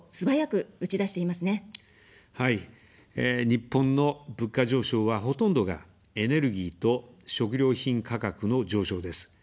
日本の物価上昇は、ほとんどがエネルギーと食料品価格の上昇です。